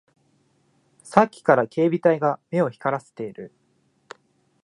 さっきから警備隊が目を光らせている